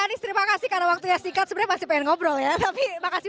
anies terima kasih karena waktunya singkat sebenarnya masih pengen ngobrol ya tapi makasih